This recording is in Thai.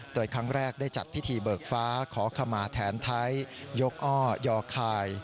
โดยครั้งแรกได้จัดพิธีเบิกฟ้าขอขมาแทนไทยยกอ้อยอคาย